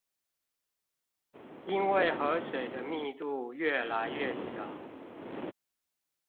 因為河水的密度愈來愈小